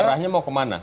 arahnya mau kemana